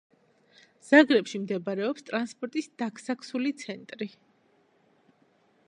ზაგრებში მდებარეობს ტრანსპორტის დაქსაქსული ცენტრი.